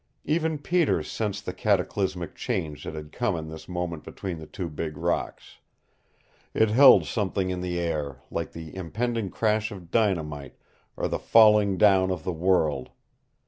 Even Peter sensed the cataclysmic change that had come in this moment between the two big rocks. It held something in the air, like the impending crash of dynamite, or the falling down of the world.